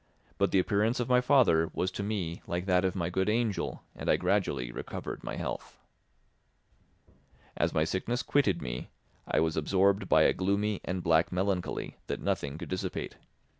But the appearance of my father was to me like that of my good angel, and I gradually recovered my health. As my sickness quitted me, I was absorbed by a gloomy and black melancholy that nothing could dissipate.